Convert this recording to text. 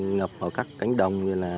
ngập ở các cánh đồng